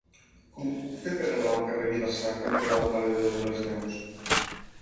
Com ho puc fer per anar al carrer Vilassar cantonada Mare de Déu de les Neus?